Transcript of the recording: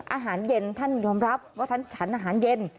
อาหารเย็นท่านยอมรับว่าท่านฉันอาหารเย็น